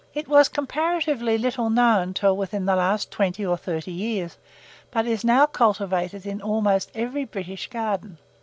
It was comparatively little known till within the last twenty or thirty years, but it is now cultivated in almost every British garden.